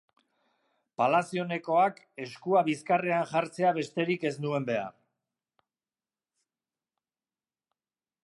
Palazionekoak eskua bizkarrean jartzea besterik ez nuen behar.